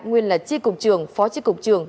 nguyên là chi cục trường phó chi cục trường